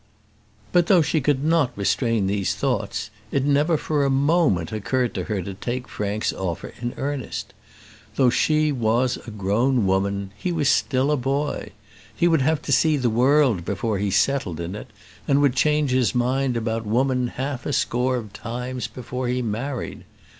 But though she could not restrain these thoughts, it never for a moment occurred to her to take Frank's offer in earnest. Though she was a grown woman, he was still a boy. He would have to see the world before he settled in it, and would change his mind about woman half a score of times before he married.